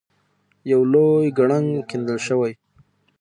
یو لوی کړنګ کیندل شوی.